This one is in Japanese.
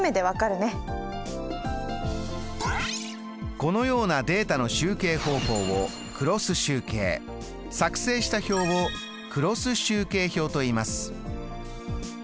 このようなデータの集計方法をクロス集計作成した表をクロス集計表といいます。